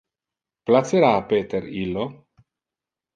Placera a Peter illo?